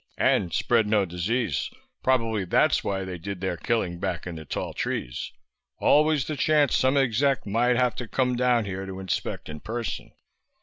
"And spread no disease. Probably that's why they did their killing back in the tall trees. Always the chance some exec might have to come down here to inspect in person.